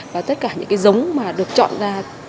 và tất cả những giống được chọn ra